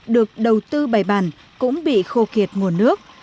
được đầu tư bày bàn cũng bị khô kiệt nguồn nước